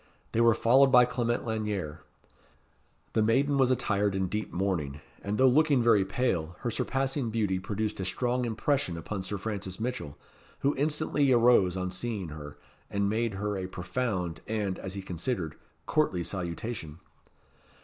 They were followed by Clement Lanyere. The maiden was attired in deep mourning, and though looking very pale, her surpassing beauty produced a strong impression upon Sir Francis Mitchell, who instantly arose on seeing her, and made her a profound, and, as he considered, courtly salutation.